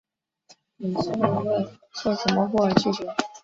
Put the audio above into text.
理事会因为措辞模糊而拒绝。